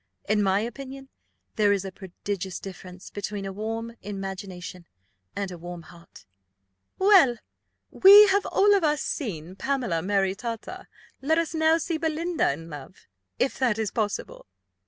In my opinion there is a prodigious difference between a warm imagination and a warm heart." "Well," said Lady Delacour, "we have all of us seen Pamela maritata let us now see Belinda in love, if that be possible.